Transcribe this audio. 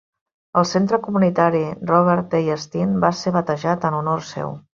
El centre comunitari Robert A. Steen va ser batejat en honor seu.